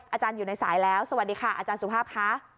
อาจารย์อยู่ในสายแล้วสวัสดีค่ะอาจารย์สุภาพค่ะ